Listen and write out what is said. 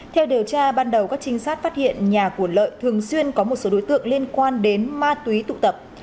theo điều tra ban đầu các trinh sát phát hiện nhà của lợi thường xuyên có một số đối tượng liên quan đến ma túy tụ tập